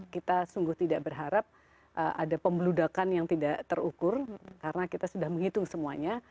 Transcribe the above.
kita sungguh tidak berharap ada pembeludakan yang tidak terukur karena kita sudah menghitung semuanya